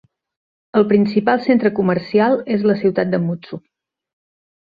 El principal centre comercial és la ciutat de Mutsu.